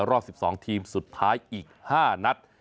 รอบ๑๒ทีมสุดท้ายอีก๕นัด